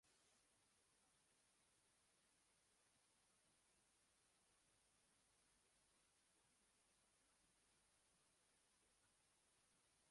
Talabalar ko‘pligi, o‘qituvchi va auditoriya yetishmasligi... Oliy ta’lim nega hamon sifatsiz?